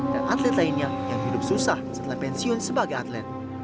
dan atlet lainnya yang hidup susah setelah pensiun sebagai atlet